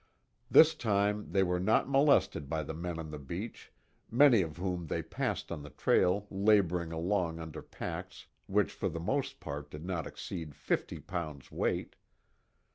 This time they were not molested by the men on the beach, many of whom they passed on the trail laboring along under packs which for the most part did not exceed fifty pounds weight.